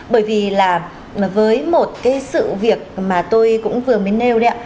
bởi vì là với một cái sự việc mà tôi cũng vừa mới nêu đấy ạ